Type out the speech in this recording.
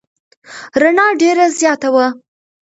رڼا ډېره زیاته وه.